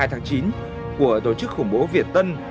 tháng chín của tổ chức khủng bố việt tân